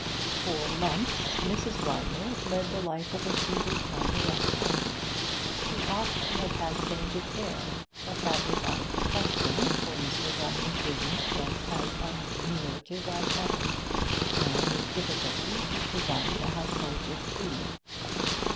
For months Mrs. Rymer led the life of a feeble convalescent. She ought to have had change of air, but that was out of the question, for Mr. Rymer's business was as unremunerative as ever, and with difficulty he provided the household with food.